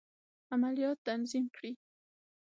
عملیات تنظیم کړي.